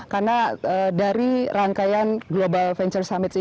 karena dari rangkaian global venture summit ini